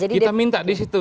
kita minta disitu